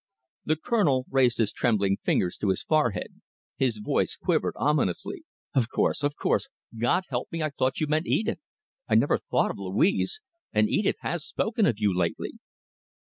The Colonel raised his trembling fingers to his forehead. His voice quivered ominously. "Of course! Of course! God help me, I thought you meant Edith! I never thought of Louise. And Edith has spoken of you lately."